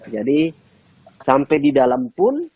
sampai di dalam pun